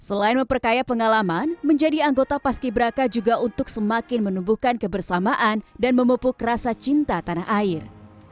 selain memperkaya pengalaman menjadi anggota paski beraka juga untuk semakin menumbuhkan kebersamaan dan memupuk rasa cinta tanah air